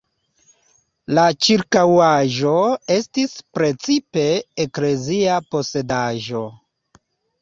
La ĉirkaŭaĵo estis precipe eklezia posedaĵo.